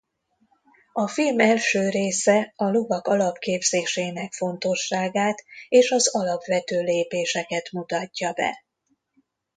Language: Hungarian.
A film első része a lovak alapképzésének fontosságát és az alapvető lépéseket mutatja be.